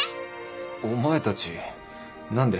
お前たち何で。